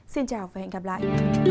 xin chào và hẹn gặp lại